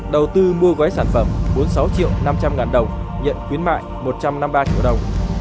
đầu tư mua gói sản phẩm bốn mươi sáu triệu năm trăm linh ngàn đồng nhận khuyến mại một trăm năm mươi ba triệu đồng